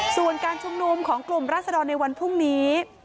ส่วนการชุมนุมของกลุ่มราศดรในวันพรุ่งนี้